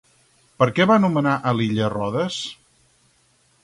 Per què va anomenar a l'illa Rodes?